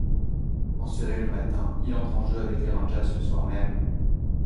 Transféré le matin, il entre en jeu avec les Rangers le soir même.